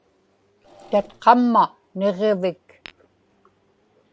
tatqamna niġġivik